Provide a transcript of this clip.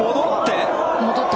戻って。